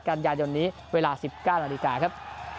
กันยายนนี้เวลา๑๙นาฬิกาครับ